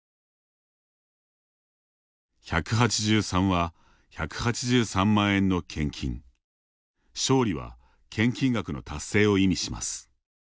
１８３は１８３万円の献金勝利は献金額の達成を意味します。